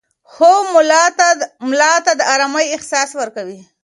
خوب ملا ته د ارامۍ احساس ورکوي.